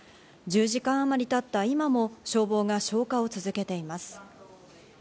１０時間あまり経った今も消防が消火を続けています。